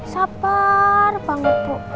sabar banget bu